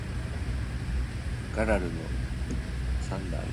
The title song was performed by Rahat Fateh Ali Khan.